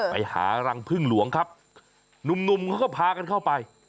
ไปหารังพึ่งหลวงครับหนุ่มเขาก็พากันเข้าไป